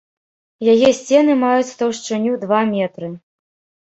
Яе сцены маюць таўшчыню два метры.